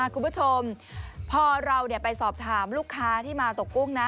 คุณผู้ชมพอเราไปสอบถามลูกค้าที่มาตกกุ้งนะ